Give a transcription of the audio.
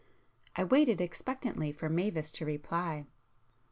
I waited expectantly for Mavis to reply.